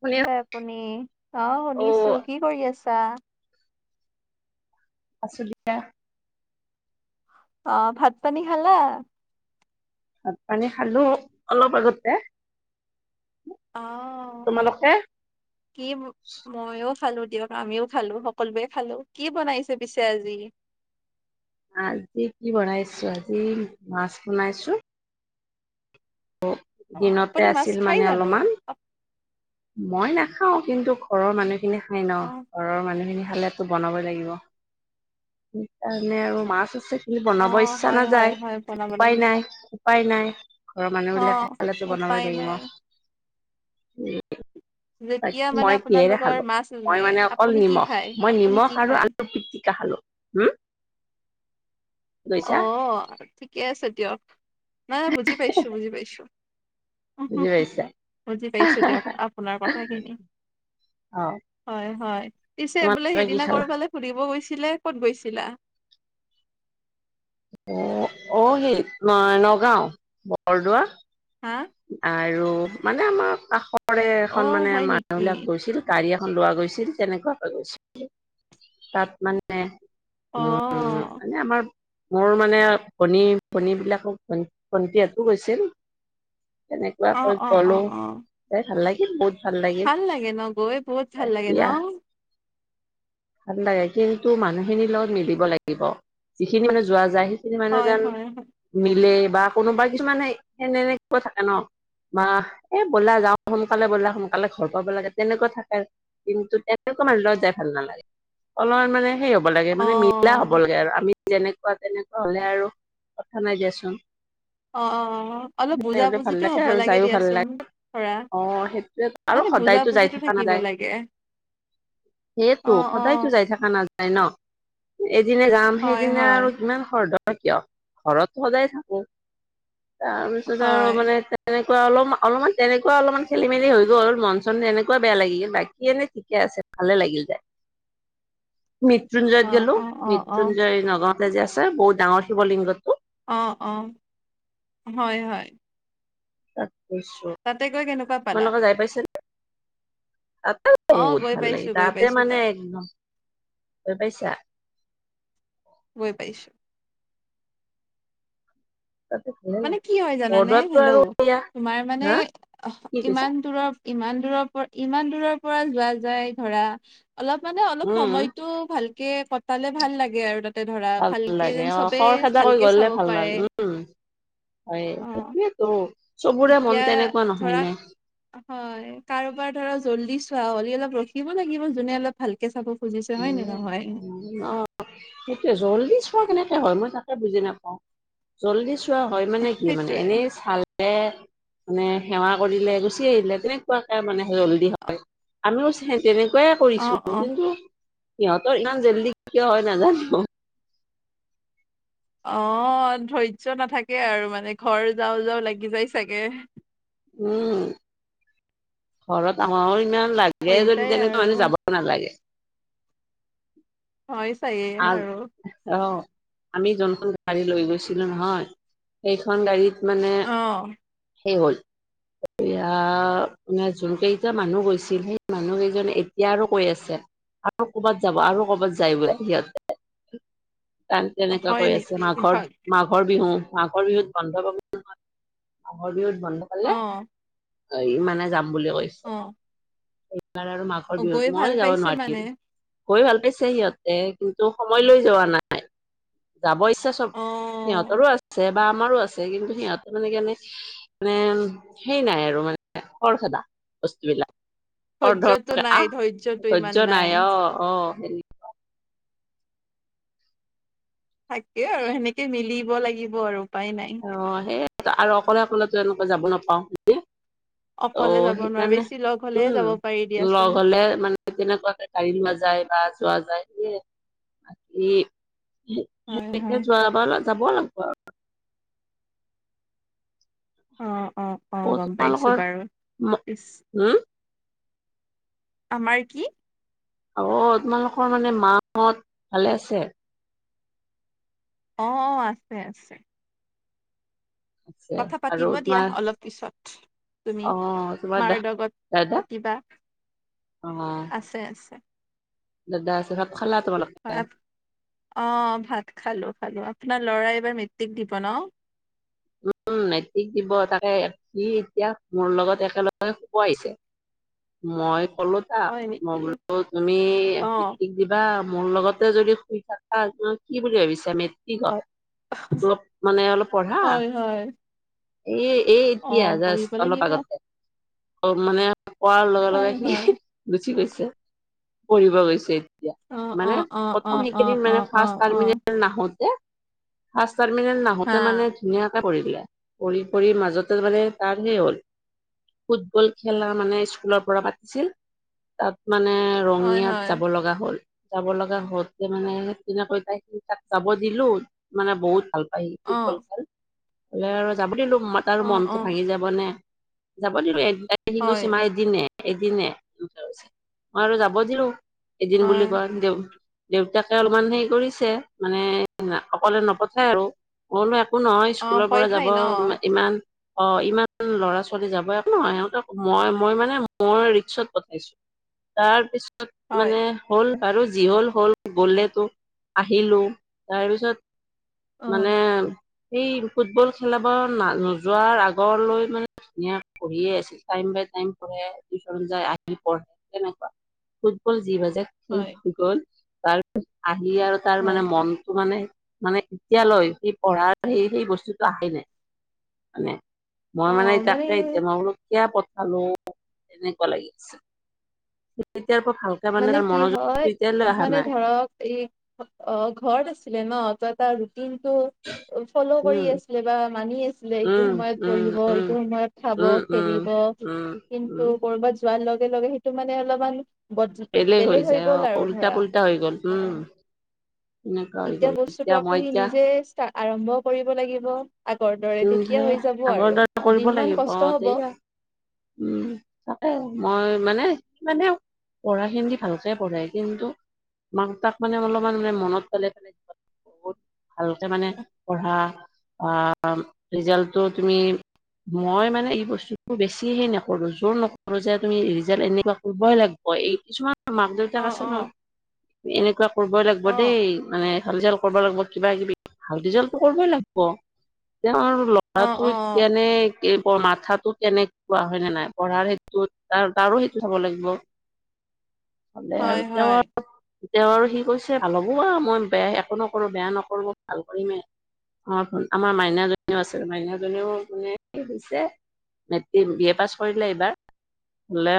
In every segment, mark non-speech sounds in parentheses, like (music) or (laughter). শুনি কি আপুনি অঁ আছো শুনিছো কি কৰি আছা? আছো দিয়া। অঁ', ভাত পানী খালা। ভাত পানী খালো অলপ আগতে অ'। তোমালোকে। কি মো ময়ও খালো দিয়ক, আমিও খালো, সকলোৱে খালো কি বনাইছে পিছে আজি? আজি কি বনাইছো আজি মাছ বনাইছো। ও অ' দিনতে আপুনি মাছ আছিল খাই মানে জানো? অলপমান মই নাখাও কিন্তু ঘৰৰ মানুহখিনি খাই ন। অ' ঘৰৰ মানুহখিনি খালেটো বনাবই লাগিব সেইকাৰণে আৰু মাছ আছে। কিন্তু অ' বনাব ইচ্ছা হয় হয় নাযায়, হয় বনাব উপায় লাগিব। নাই উপায় নাই। মানুহবিলাকে অ' খালেতো বনাবই উপায় লাগিব, নাই। উম। তাক যেতিয়া মানে মই কিহেৰে আপোনালোকৰ খালো? মাছ নে মই মানে অকল আপুনি কি নিমখ খায়? মই আপুনি নিমখ কি আৰু খায়? আলু পিতিকা খালো, উম! অ', ঠিকে আছে দিয়ক নাই বুজি পাইছো বুজি পাইছো। বুজি হুহুহু পাইছা বুজি পাইছো দিয়ক আপোনাৰ কথাখিনি। অ হয়, হয়, পিছে বোলে তোমালোকে কি সেইদিনা খালা? কৰবালে ফুুলিব গৈছিলে ক'ত গৈছিলা? অ', অ', সেই নই নগাঁও বৰদোৱা। হা? আৰু মানে আমাৰ কাষৰে অ এখন মানে হয় নেকি মানুহবিলাক গৈছিল। গাড়ী এখন লোৱা গৈছিল তেনেকুৱাকে গৈছিল তাত মানে অ উম মানে আমাৰ মোৰ মানে ভনী ভনীবিলাকক ভ ভণ্টিয়াটো গৈছিল। অ তেনেকুৱাকৈ অ অ গলো অ এই ভাল লাগিল বহুত ভাল লাগে ন' গৈ বহুত ভাল লাগে এতিয়া ন'। ভাল লাগে কিন্তু মানুহখিনিৰ লগত মিলিব লাগিব, যিখিনি মানে যোৱা যায়। মানুহ হয় যেন হয় হয় মিলে বা কোনোবা কিছুমান সেনেকুৱা থাকে ন' বা এ ব'লা যাওঁ সোনকালে ব'লা সোনকালে ঘৰ পাব লাগে তেনেকুৱা থাকে আৰু। কিন্তু তেনেকুৱা মানুহ লগত যাই ভাল নালাগে, অলপ মানে সেই হ' হব লাগে অ মানে মিলা হ'ব লাগে আৰু আমি যেনেকুৱা তেনেকুৱা হলে আৰু কথা নাই দিয়াচোন। অ', অ', অ' অ '। অলপ বুজা তেনেহ'লে ভাল বুজিটো হ'ব আৰু লাগে যায়ো ভাল দিয়াচোন লাগে ধৰা অ সেইটোয়ে আৰু মানে বুজা সদায়তো - বুজি যাই টো থকা থাকিব লাগে। অ সেইটো অ সদায়তো যাই থাকা নাযায় ন', এদিনা যাম হয় সেইদিনা হয় আৰু ইমান খৰ ধৰ অ কিয়? ঘৰত সদায় থাকো তাৰপিছত আৰু হয় মানে এ তেনেকুৱা অলপ অলপমান তেনেকুৱা অলমান খেলি - মেলি হৈ গ'ল, অলপ মন- চন তেনেকুৱা বেয়া লাগি গল বাকী এনে ঠিকে আছে। ভালে লাগিল যায়। (inaudible) অ মৃত্যুঞ্জয়ত গলো, অ অ অ মৃত্যুঞ্জয় নগাঁৱতে যে আছে বহুত ডাঙৰ শিৱ লিংগটো। অঁ', অঁ', হয়, হয়। তাত গৈছো তাতে গৈ কেনেকুৱা পালা তোমালোকে যাই পাইছ নে? (inaudible) অ বহুত গৈ ভাল লাগি পাইছো গৈ তাতে পাইছো মানে তাত একদম গৈ পাইছা? গৈ পাইছো। তাতে ভালে মানে লাগে কি হয় জানানে বৰদোৱাতটো আৰু হেল্ল'? এয়া তোমাৰ মানে হা কি কৈছা ইমান দূৰৰ ইমান দূৰৰ পৰা ইমান দূৰৰ পৰা যোৱা যায় ধৰা অলপ মানে অলপ উম সময়টো ভালকে কটালে ভাল লাগে আৰু তা তে ধৰা ভাল ভালকে লাগে যেন অ চবেই খৰখেদা কৰি ভালকে গ'লে চাব ভাল লাগে পাৰে। উম হয় অ সেয়েতো, চবৰে এতিয়া মন তেনেকুৱা ধৰা নহয় নে? হয় কাৰোবাৰ ধৰ জল্দি চোৱা হ'ল অলপ ৰখিব লাগিব যোনে অলপ ভালকে চাব খুজিছে হয় নে নহয়? উম অ', সেইটো জল্দি চোৱা কেনেকে হয় মই তাকে বুজি নাপাও জল্দি চো চোৱা হয় মানে কি মানে সেইটোৱে এনেই চাল এ মানে সেৱা কৰিলে গুচি আহিলে তেনেকুৱাকে মানে জল্দি হয়। আমিও তেনেকুৱাই অ কৰিছো অ কিন্তু সিহঁতৰ ইমান জল্দি কিয় হয় নাজানো। অ', ধৈৰ্য নাথাকে আৰু মানে ঘৰ যাও যাওঁ লাগি যায় চাগে। উম ঘৰত আহো আহো ইমান লাগে হৈ যদি যায় তেনেকুৱা মানে আৰু যাব নালাগে। হয়, চাগে আহ আৰু। অ আমি যোনখন গাড়ী লৈ গৈছিলো নহয় সেইখন গাড়ীত মানে অ'। সেই হ'ল এয়া মানে যোন কেইটা মানুহ গৈছিল সেই মানুহ কেইজনে এতিয়া আৰু কৈ আছে আৰু কৰ'বাত যাব আৰু কৰ'বাত যায় বোলে সিহত ত তেনেকুৱা হয় কৰি আছে নেকি? মাঘৰ হয়। মাঘ মাঘৰ বিহু মাঘৰ বিহুত বন্ধ পাব নহয় মাঘৰ বিহুত বন্ধ পালে অ ই মানে যাম বুলি কৈছে অ', এইবাৰ আৰু মাঘ ৰ অ', গৈ বিহুত ভাল মই যাব পাইছে মানে। নোৱাৰিম গৈ ভাল পাইছে সিহঁতে কিন্তু সময় লৈ যোৱা নাই যাব ইচ্ছা চব অ', সিহঁতৰো আছে বা আমাৰো আছে কিন্তু সিহঁতৰ মানে কেনে মানে সেই নাই আৰু মানে খৰ খেদা বস্তুবিলাক খৰ ধৈৰ্য্যটো ধৰকে নাই, ধৈৰ্য্যটো আহ ইমান ধৰ্য্য নাই অ অ সেনে থাকেই আৰু সেনেকে মিলিব লাগিব আৰু উপায় নাই। অ সেই আৰু অকলে অকলে এনেকুৱা যাব নাপাও অ অকলে যাব নোৱাৰা, সেইকাৰণে বেছি লগ হ'লেহে যাব পাৰি উম লগ দিয়াচোন। হলে মানে তেনেকুৱাকে গাড়ীত নাযায় বা যোৱা যায় সে বাকী হয়, সনেকে হয়, যোৱা বা যাব লাগিব আৰু অঁ অঁ অঁ অ' গম পাইছোঁ তোমালোকৰ বাৰু হম পিছ আমাৰ কি অ তোমালোকৰ মানে মাহত ভালে আছে অ অ আছে আছে আছে কথা আৰু পাতিব দিয়া তোমাৰ অলপ পিছত তুমি অ' তোমাৰ মাৰ দা লগত দাদা পাতিবা অ' আছে আছে দাদা আছে সব। খালা তোমালোক হয় আ অ ভাত খালো খালোঁ আপোনাৰ ল'ৰাই এইবাৰ মেট্ৰিক দিব ন? উম মেট্ৰিক দিব তাকে সি এতিয়া মোৰ লগত একেলগে শুব আহিছে। মই কলো তাক হয় মই নেকি বোলো তুমি অ মেটিক দিবা মোৰ লগতে যদি শুই থাকা কি বুলি ভাবিছো মেট্ৰিক হয় ত অলপ মানে অলপ পঢ়া হয় হয় এই এই অ এতিয়া জাষ্ট পঢ়িব অলপ লাগিব আগতে অ মানে কোৱাৰ লগে লগে হয় সি হয় গুচি গৈছে পঢ়িব গৈছে এতিয়া, অ অ মানে অ অ প্ৰথম অ সেইকেইদিন অ মানে অ ফাৰ্ষ অ টাৰ্মিনেল নাহোতে ফাৰ্ষ্ট টাৰ্মিনেল হা নাহোতে মানে ধুনীয়াকে কৰি দিয়ে পঢ়ি পঢ়ি মাজতে মানে তাৰ হেই হ'ল ফুটবল খেলা মানে স্কুলৰ পৰা পাতিছিল তাত মানে হয় হয় ৰঙিয়াত যাব লগা হ'ল। যাব লগা হৈছে মানে, সিদিনা তেনেকৈ তাই তাত যাব দিলো, মানে বহুত ভাল। অ ফুটবল খেল, এহ আৰু যাব দিলো, মই তাৰ অ মনটো অ ভাঙি যাব। হবনে, ‍ যাব দিলোঁ, এতিয়া কি হয় কৈছে মা এই এদিনে এদিনে, মই আৰু যাব দিলো এদিন বুলি হয় কোৱা তেও দেউতাকে অলপমান হেৰি কৰিছে, মানে অকলে নপঠায় আৰু মই বোলো একো নহয়, অ স্কুলৰ ভয় পৰা যাব খাই ন ইমান অ ইমান লৰা ছোৱালী যাব একো নহয়, সিহঁতক মই মই মানে মই ৰিক্সত পঠাইছো। তাৰপিছত তহ হয় মানে হ'ল বাৰু, যি হ'ল হ'ল, গলেতো আহিলো, অ তাৰপিছত মানে, সেই ফুটবল খেলা নোযোৱাৰ আগলৈ মানে পঢ়িয়ে আছে, টাইম বাই টাইম কৰে, টিউচন যায়। আহি পঢ়ে কেনেকুৱা ফুটবল যি‌ বাজে, খেল হয় গল, তাৰপিছত আহি আৰু তাৰ হয় মানে মনটো মানে মানে এতিয়ালৈ সেই পঢ়াৰ সেই সেই বস্তুটো আহে নাই। মানে, মই মানে তাকে এতিয়া মই‌‌ বোলো কেতিয়া পঠালো, তেনেকুৱা লাগি আছে‌, এতিয়াৰ পৰা ভাল। মানে কি হয়, মানে ধৰক এই অহ, ঘৰত আছিলে নহ, তহ তাৰ ৰুটিনটো ফল' কৰি উম, আছিলে, বা মানি আছিলে এইটো উম, সময়ত উম, পঢ়িব এইটো উম, সময়ত খাব, উম, উম, খেলিব। উম, কিন্তু উম। কৰ'বাত যোৱাৰ লগে লগে সেইটো মানে অলপমান বেলেগ হৈ যায় গ'ল অ' আৰু উল্টা ধৰা, পুল্টা হৈ গ'ল উম, অহ এনেকুৱা হৈ এতিয়া গ'ল বস্তুটো আকৌ মই সেই এতিয়া নিজে আৰম্ভ কৰিব লাগিব। আগৰ দৰে উম, তেতিয়া সেয়া হৈ যাব আগৰ আৰু দৰে কৰিব দুদিন লাগিব মান অ' কষ্ট হব। সেয়া উম, মই মানে, মানে পঢ়াখিনি ভালকে পঢ়ে। কিন্তু মাক তাক মানে অলপমান মানে মনত পাই পেলাই বহুত ভালকে মানে পঢ়া আহ ৰিজাল্টটো তুমি, মই মানে এই বস্তুবোৰ বেছি সেইহে নকৰো, জোৰ নকৰোঁ, যে তুমি ৰিজাল্ট এনেকুৱা কৰিবই লাগিব, এই কিছুমান মাক অ দেউতাক আছে অ নহ, এনেকুৱা কৰিবই লাগিব অ দেই মানে ভাল ৰিজাল্ট কৰিব লাগিব, কিবা কিবি ভাল ৰিজাল্টটো কৰিবই লাগিব, তেওঁ আৰু অ হাত ভৰি অ কেনে, মাথাটো কেনেকে কোৱা হয় নে নাই, পঢ়াৰ সেইটো তহ তাৰো সেইটো চাব লাগিব। তাকে হয় আৰু হয় তেওঁৰ তেওঁৰ সি কৈছে, ভাল হ'ব আৰু মই বেয়া একো নকৰোঁ, বেয়া নকৰোঁ ভাল কৰিমে অহ, আমাৰ মাইনাজনীও আছিল, মাইনাজনীও মানে হৈছে। সি বি এ পাছ কৰিলে এইবাৰ, হলে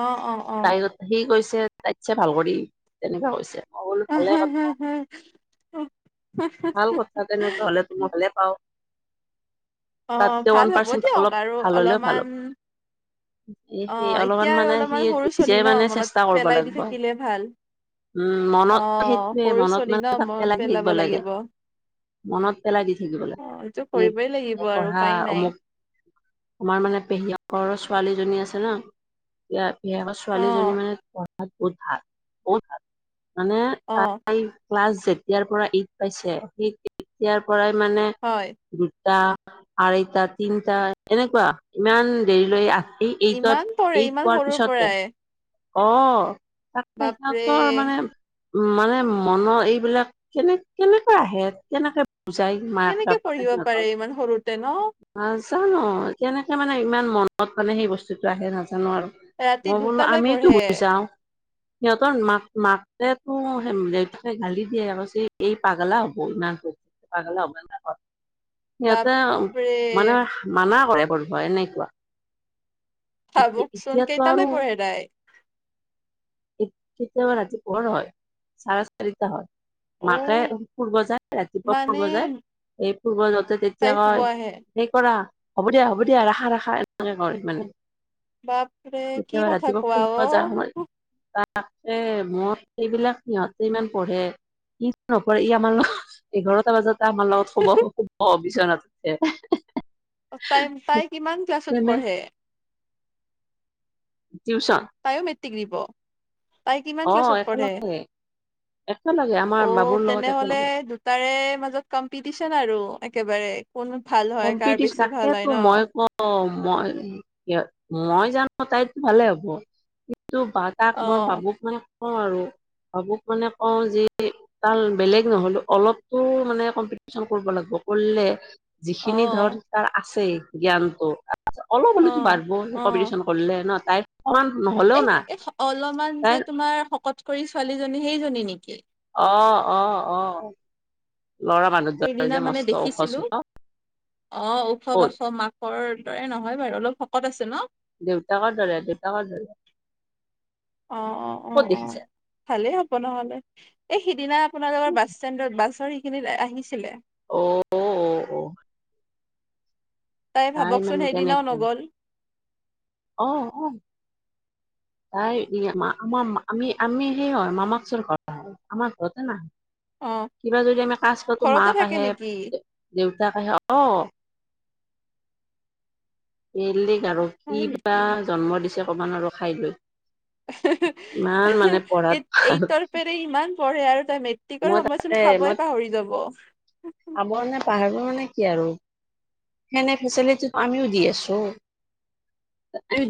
অহ, অহ, অ তাই সি কৈছে তাইতছে ভাল কৰি, তেনেকুৱা কৈছে। মই বোলো উ, ভালে হো হো কথা হো ভাল কথা, তেনেকে হলেতো মই ভালে পাওঁ। অহ, তাতকে ভাল ওৱান হ'ব পাৰ্চেন্ট অলপ দিয়ক আৰু অলপমান এহ অ সেই এতিয়া অলপমান আৰু মানে সি অলপমান সৰু ছোৱালী নিজে ন মানে মনত চেষ্টা কৰিব পেলাই দি লাগিব। থাকিলে ভাল উম, অ মনত সেইটোৱে সৰু মনত ছোৱালী মানে, ন মনত পেলাই পেলাব থাকিব লাগে। লাগিব মনত পেলাই দি থাকিব অ এইটো লাগে, কৰিবই লাগিব আৰু পঢ়া উপায় নাই অমুক আমাৰ মানে পেহীয়েকৰ ছোৱালীজনী আছে ন ইয়াৰ পেহিয়েকৰ অ ছোৱালীজনী মানে পঢ়াত বহুত ভাল বহুত ভাল মানে অ তাই ক্লাছ যেতিয়াৰ পৰা এইট পাইছে সেই তেতিয়াৰ পৰাই মানে হয় দুটা আঢ়ৈটা তিনটা এনেকুৱা ইমান দেৰি লৈ আছে। এই এইটত ইমান পঢ়ে এইট ইমান পোৱাৰ সৰুৰ পিছতে পৰাই অ তাক পাইছা বাপৰে ত মানে উ মানে মনৰ এইবিলাক কেনে কেনেকৈ আহে কেনেকে বুজাই মাক কেনেকে বাপাকে পঢ়িব পাৰে সিহঁতৰ ইমান সৰুতে ন নাজানো কেনেকে মানে ইমান মনত মানে সেই বস্তুটো আহে নাজানো আৰু ৰাতি মই বোলো দুটালৈ আমিটো পঢ়ে গুছি যাওঁ। সিহঁতৰ মাক মাকে তো দেউতাকে গালি দিয়ে আৰু সেই এই পাগলাও বই ন পাগালা অব সিহঁতে বাপৰে মানে মানা কৰে বাই এনেকুৱা ভাবকচোন এতিয়া টো কেইটালৈ আৰু পঢ়ে তাই তেতিয়া আমাৰ ৰাতি পৰ হয় চাৰে চাৰিটা হয়। অ মাকে ফূৰিব যায় ৰাতিপুৱা মানে ফূৰিব যায় এই ফূৰিব যাওঁতে তেতিয়া তাই শুব কয় আহে সেই কৰা হ'ব দিয়া হ'ব দিয়া ৰাখা ৰাখা এনেকে কৰে মানে বাপৰে কি কথা কোৱা ঔ তাকে মোৰ এইবিলাক সিহঁতে ইমান পঢ়ে কি নপৰে ই আমাৰ লগত এঘাৰটা বজাতে আমাৰ লগত শুব শুব বিচনাথতে তাই তাই কিমান ক্লাছত তেনে পঢ়ে? টিউচন তাইও মেটিক দিব। তাই কিমান অ ক্লাছত পঢ়ে একেলগে একেলগে আমাৰ অ বাবুৰ লগত তেনেহলে একেলগে তাৰে মাজত কম্পিটিচন আৰু একেবাৰে কোন ভাল হয় কাৰ বেছি ভাল হয় ন অ মই মই জানো তাইত ভালে হ'ব কিন্তু তাক অ মই ভাবুক মানে কওঁ আৰু ভাবুক মানে কওঁ যে তাৰ বেলেগ নহলো অলপো মানে কম্পিটিচন কৰিব লাগিব কৰিলে অ যিখিনি ধৰ তাৰ আছে জ্ঞানতটো অলপ অ হলো বাঢ়িব অ কম্পিটিচনত পলে ন তাই অ নহ'লে এই অলপমান যে তোমাৰ শকত কৰি ছোৱালীজনী সেইজনী নেকি? অ অ অ ল'ৰা মানুহ দৰে সেইদিনা যে মানে মস্ত ওখ দেখিছিলোঁ চোখ অ ওখ ক'ত বাখ মাক মাকৰ দৰে নহয় বাৰু অলপ শকত আছে ন দেউতাকৰ ধৰে দেউতাকৰ ধৰে। অ অ অ অ দেখিছে ভালেই হ'ব নহলে এই সিদিনা আপোনালোকৰ বাছ ষ্টেণ্ডত বাছৰ সেইখিনি আহিছিলে। অ অ অ তাই ভাবকচোন মানে সেইদিনাও তেনেকুৱা নগ'ল অ অ তাই আম আমি আমি সেই হয় মামাকচোন কৰা হয় আমাৰ ঘৰতে নাহে অ কিবা যদি আমি কাজ পাতো ঘৰতে মাক থাকে আহে নেকি দেউতাক আহে অ বেলেগ আৰু কি হয় নেকি বা জন্ম দিছে কব নোৱাৰো খাই লৈ (unintelligible) ইমান মানে বতমাচ এত এইটৰ পেৰে ইমান পঢ়ে আৰু তাই মেট্ৰিকৰ মই তাকে সময়চোন মই খাবই পাহৰি যাব (unintelligible) পাহৰৰ মানে কি আৰু সেনে ফেচিলিটিটো আমিও দি আছো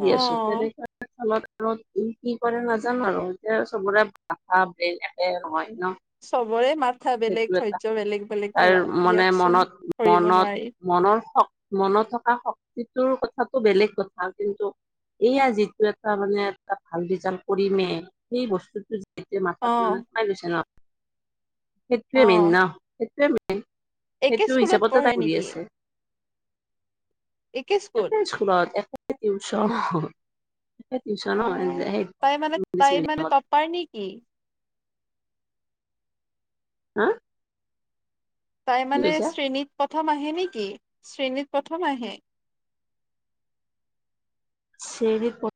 অ দি আছো তেনেকুৱা ফলত আৰু কি কৰে নাজানো আৰু এতিয়া চবৰে ভাষা বেন একে নহয় ন চবৰে মাথা বেলেগ সেইটো ধৈৰ্য্য বেলেগ বেলেগ তাৰ ধৰক মানে দিয়কচোন মনত ধৰিব মনত নোৱাৰি মনৰ হক মনত থকা তোৰ কথাটো বেলেগ কথা কিন্তু এইয়া যিটো এটা মানে এটা ভাল ৰিজাল্ট কৰিমে সেই বস্তুটো অ মাথাত মানে সোমাই গৈছে ন অ সেইটোৱে মেইন ন সেইটোৱে মেইন একে সেইটো স্কুলত হিচাপতে পঢ়ে তাই কৰি নেকি আছে একে স্পো স্কুলত এফালে টিউচন সেই টিউচন অ যায় ইংলিছ মিডিয়ামত হয় নেকি হা তাই কি মানে কৈছা শ্ৰেণীত প্ৰথম আহে নেকি শ্ৰেণীত প্ৰথম আহে শ্ৰেণীত প্ৰথম